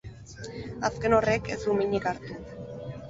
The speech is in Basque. Azken horrek ez du minik hartu.